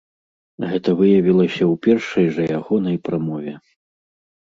Гэта выявілася ў першай жа ягонай прамове.